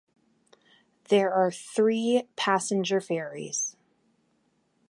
There are three passenger ferries.